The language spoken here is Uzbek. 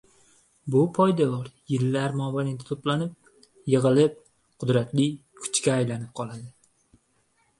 Bu povdevor yillar mobaynida to‘planib, yig‘ilib, qudratli kuchga aylanib qoladi.